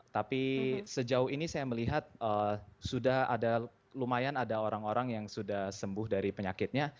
tapi sejauh ini saya melihat sudah ada lumayan ada orang orang yang sudah sembuh dari penyakitnya